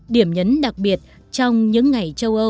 điểm nhấn đặc biệt trong những ngày châu âu hai nghìn một mươi tám